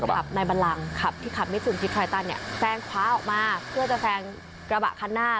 คนขับในบันลังส์ที่ขับไม่สุดที่ไทยตั้งแฟงคว้าออกมาเพื่อจะแฟงกระบะข้างหน้า